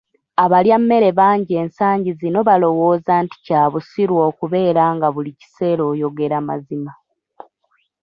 Abalyammere bangi ensangi zino balowooza nti kya busilu okubeera nga buli kiseera oyogera mazima.